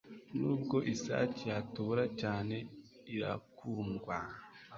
nubwo isake yatubura cyane irakundwa